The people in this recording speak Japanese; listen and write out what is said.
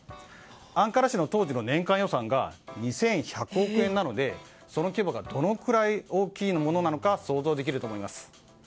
アンカラ市の当時の年間予算が２１００億円なのでその規模がどのくらい大きいものなのか想像できると思います。